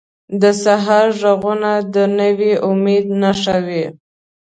د سهار ږغونه د نوي امید نښه وي.